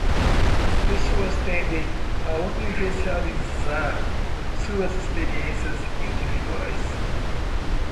As pessoas tendem a universalizar suas experiências individuais